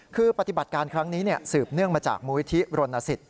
คือปฏิบัติการครั้งนี้สืบเนื่องมาจากมูลิธิรณสิทธ